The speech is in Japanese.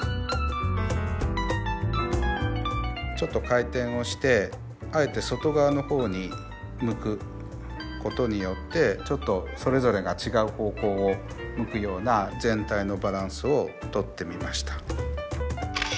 ちょっと回転をしてあえて外側の方に向くことによってちょっとそれぞれが違う方向を向くような全体のバランスをとってみました。